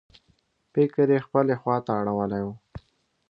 فکر یې خپلې خواته اړولی و.